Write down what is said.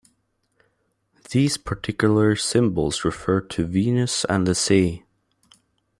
These particular symbols refer to Venus and the sea.